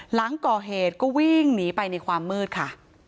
หลังก่อเหตุก็วิ่งหนีไปในความมืดค่ะ